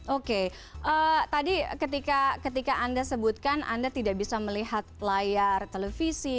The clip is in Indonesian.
oke tadi ketika anda sebutkan anda tidak bisa melihat layar televisi